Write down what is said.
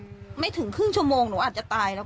ก็ไม่เคยรู้จักกันเลยแต่รู้จักเพื่อนเขา